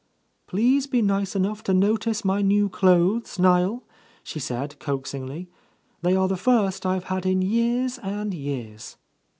"Please be nice enough to notice my new clothes, Niel," she said coax ingly. "They are the first I've had in years and years."